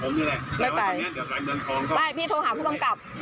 ไม่ไปไม่พี่โทรหาผู้กำกับ